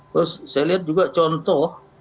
terus saya lihat juga contoh